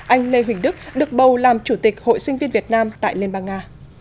anh lê huỳnh đức được bầu làm chủ tịch hội sinh viên việt nam tại liên bang nga